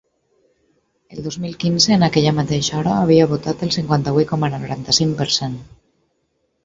El dos mil quinze, en aquella mateixa hora havia votat el cinquanta-vuit coma noranta-cinc per cent.